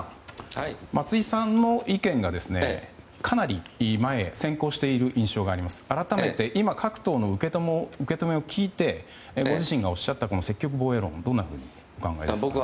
松井さんの意見がかなり前へ先行している印象がありますが改めて、各党の受け止めを聞いてご自身がおっしゃった積極防衛論をどんなふうにお考えですか。